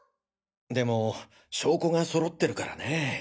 でも証拠が揃ってるからねぇ。